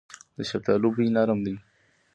د شفتالو بوی نرم وي.